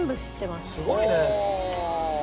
すごいね。